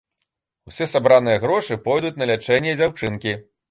Усе сабраныя грошы пойдуць на лячэнне дзяўчынкі.